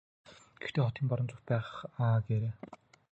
Гэхдээ хотын баруун зүгт байх аа гээрэй.